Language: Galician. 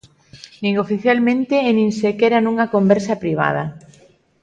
Nin oficialmente e nin sequera nunha conversa privada.